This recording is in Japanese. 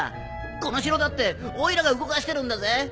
この城だってオイラが動かしてるんだぜ！